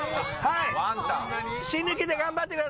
死ぬ気で頑張ってください。